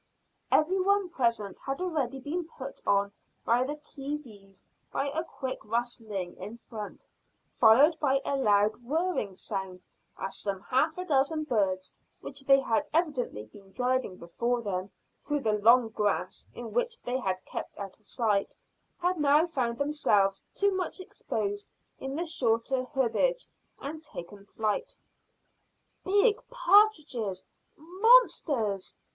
Every one present had already been put on the qui vive by a quick rustling in front, followed by a loud whirring sound, as some half a dozen birds, which they had evidently been driving before them through the long grass in which they had kept out of sight, had now found themselves too much exposed in the shorter herbage and taken flight. "Big partridges monsters!"